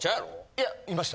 いやいました。